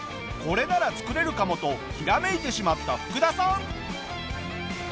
これなら作れるかもとひらめいてしまったフクダさん。